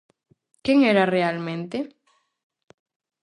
Quen era realmente?